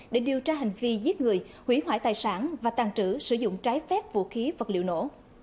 để điều tra hành vi giết người hủy hoại tài sản và tàn trữ sử dụng trái phép vũ khí vật liệu nổ